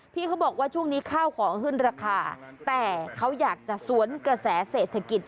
เขาบอกว่าช่วงนี้ข้าวของขึ้นราคาแต่เขาอยากจะสวนกระแสเศรษฐกิจ